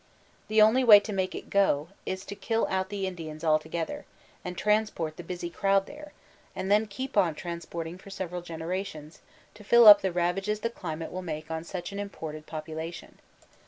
The only way to make it go, b to kill out the Indians altogether, and transport the ''busy'* crowd there, and then keep on transporting for several generations, to fill up the ravages the climate will make on such an imported population.